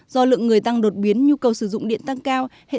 do lượng người tăng đột biến nhu cầu sử dụng điện tăng cao